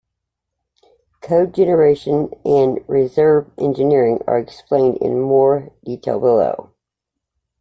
Code generation and reverse engineering are explained in more detail below.